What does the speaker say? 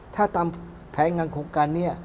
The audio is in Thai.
ถ้าตามแผนงานโครงการนี้